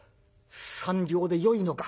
「３両でよいのか。